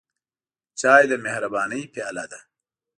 چای د مهربانۍ پیاله ده.